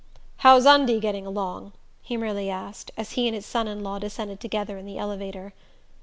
"How's Undie getting along?" he merely asked, as he and his son in law descended together in the elevator.